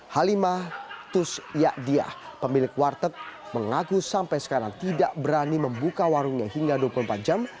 halimah tusyakdiah pemilik warteg mengaku sampai sekarang tidak berani membuka warungnya hingga dua puluh empat jam